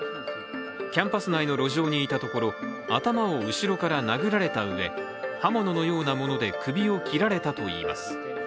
キャンパス内の路上にいたところ頭を後ろから殴られたうえ、刃物のようなもので首を切られたといいます。